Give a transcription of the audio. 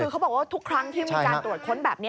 คือเขาบอกว่าทุกครั้งที่มีการตรวจค้นแบบนี้